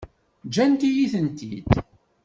Ǧǧant-iyi-tent-id.